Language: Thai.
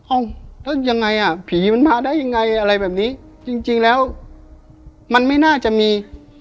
เอ้าแล้วยังไงอ่ะผีมันมาได้ยังไงอะไรแบบนี้จริงจริงแล้วมันไม่น่าจะมี